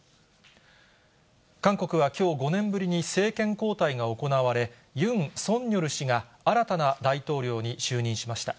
韓国はきょう、５年ぶりに政権交代が行われ、ユン・ソンニョル氏が、新たな大統領に就任しました。